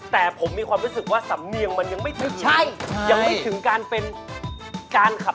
แต่ผมมีความรู้สึกว่าสำเนี่ยงมันยังไม่ถึงหรือเปล่ายังไม่ถึงคลับเดพาะเหรอครับ